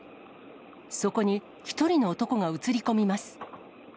そこに１人の男が写り込みます。